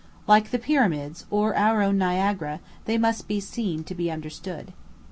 Like the Pyramids, or our own Niagara, they must be seen to be understood.